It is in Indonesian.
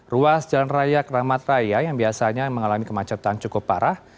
ruas jalan raya keramat raya yang biasanya mengalami kemacetan cukup parah